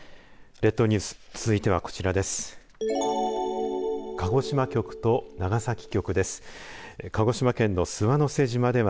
列島ニュース続いてはこちらです。